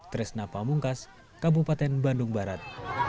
tresna pamungkas kabupaten bandung barat